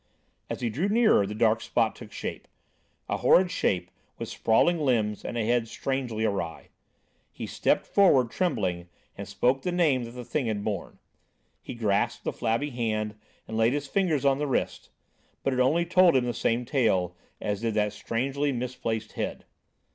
As he drew nearer the dark spot took shape; a horrid shape with sprawling limbs and a head strangely awry. He stepped forward, trembling, and spoke the name that the thing had borne. He grasped the flabby hand, and laid his fingers on the wrist; but it only told him the same tale as did that strangely misplaced head.